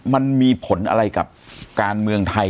มันมีผลอะไรกับการเมืองไทย